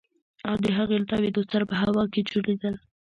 او د هغې له تاوېدو سره په هوا کښې چورلېدل.